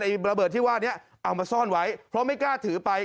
ระเบิดที่ว่านี้เอามาซ่อนไว้เพราะไม่กล้าถือไป